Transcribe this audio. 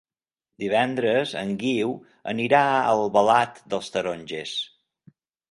Divendres en Guiu anirà a Albalat dels Tarongers.